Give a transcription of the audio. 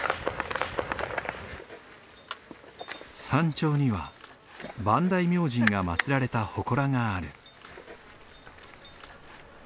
山頂には磐梯明神が祭られたほこらがある。